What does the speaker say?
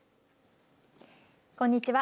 こんにちは。